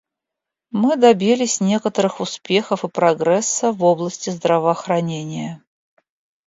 Мы добились некоторых успехов и прогресса в области здравоохранения.